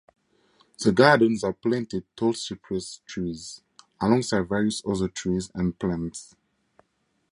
The gardens are planted tall cypress trees alongside various other trees and plants.